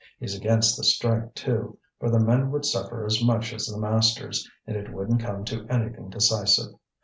He's against the strike too, for the men would suffer as much as the masters, and it wouldn't come to anything decisive.